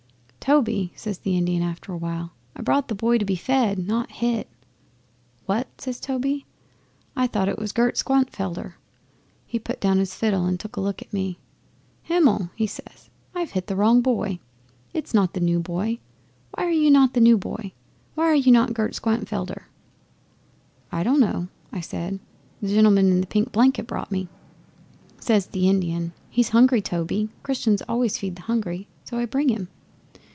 '"Toby!" says the Indian after quite a while. "I brought the boy to be fed, not hit." '"What?" says Toby, "I thought it was Gert Schwankfelder." He put down his fiddle and took a good look at me. "Himmel!" he says. "I have hit the wrong boy. It is not the new boy. Why are you not the new boy? Why are you not Gert Schwankfelder?" '"I don't know," I said. "The gentleman in the pink blanket brought me." 'Says the Indian, "He is hungry, Toby. Christians always feed the hungry. So I bring him."